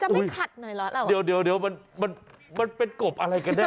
พูดขัดหน่อยเหรอเราเดี๋ยวเดี๋ยวมันมันเป็นกบอะไรกันแน